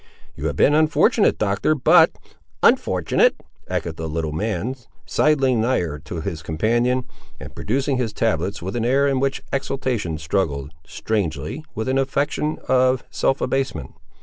"You have been unfortunate, Doctor, but—" "Unfortunate!" echoed the little man, sideling nigher to his companion, and producing his tablets with an air in which exultation struggled, strangely, with an affectation of self abasement.